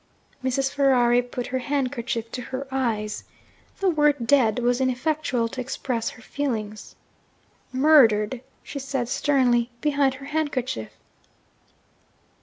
Mrs. Ferrari put her handkerchief to her eyes. The word 'dead' was ineffectual to express her feelings. 'Murdered!' she said sternly, behind her handkerchief.